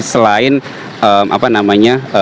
selain apa namanya